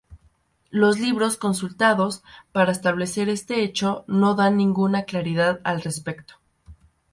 Los libros consultados para establecer este hecho no dan ninguna claridad al respecto.